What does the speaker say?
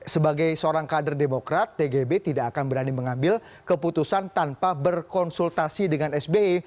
sebagai seorang kader demokrat tgb tidak akan berani mengambil keputusan tanpa berkonsultasi dengan sby